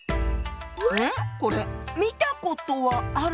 これ見たことはある！